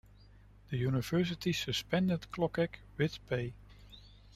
The university suspended Klocek with pay.